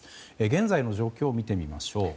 現在の状況を見てみましょう。